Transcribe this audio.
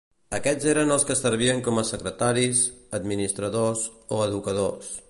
Aquests eren els que servien com a secretaris, administradors o educadors.